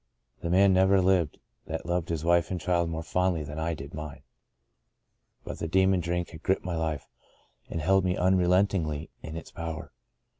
The man never lived that loved his wife and child more fondly than I did mine. But the demon Drink had gripped my life, and held me unrelentingly in its power.